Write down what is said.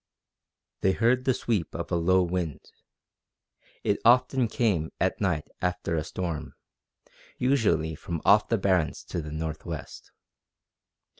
They heard the sweep of a low wind. It often came at night after a storm, usually from off the Barrens to the northwest.